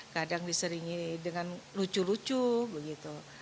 kadang diseringi dengan lucu lucu begitu